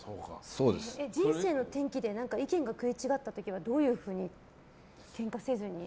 人生の転機で意見が食い違った時はどういうふうに、けんかせずに？